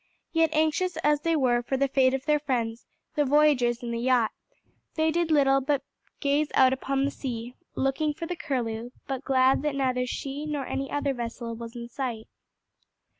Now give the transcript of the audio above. Yet anxious as they were for the fate of their friends, the voyagers in the yacht, they did little but gaze out upon the sea, looking for the Curlew, but glad that neither she nor any other vessel was in sight.